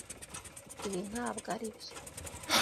Ibi ntabwo aribyo.